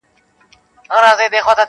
ګاونډيان راټولېږي او د پېښې خبري کوي ډېر-